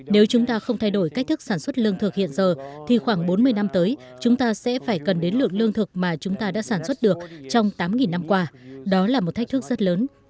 nếu chúng ta không thay đổi cách thức sản xuất lương thực hiện giờ thì khoảng bốn mươi năm tới chúng ta sẽ phải cần đến lượng lương thực mà chúng ta đã sản xuất được trong tám năm qua đó là một thách thức rất lớn